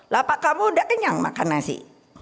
lapak kamu udah kenyang makan nasi